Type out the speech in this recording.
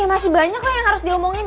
ya masih banyak loh yang harus diomongin